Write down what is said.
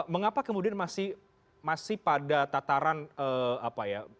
mengapa kemudian masih pada tataran apa ya